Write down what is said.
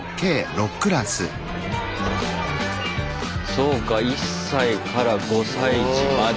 そうか１歳から５歳児まで。